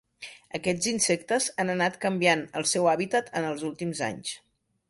Aquests insectes han anat canviant el seu hàbitat en els últims anys.